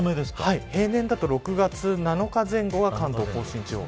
平年だと６月７日前後が関東甲信地方。